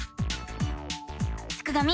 すくがミ